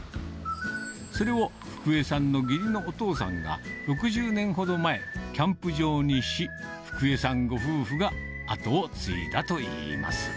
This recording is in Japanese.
それをフクエさんの義理のお父さんが６０年ほど前キャンプ場にし、フクエさんご夫婦が跡を継いだといいます。